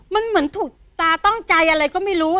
มันเหมือนถูกตาต้องใจอะไรก็ไม่รู้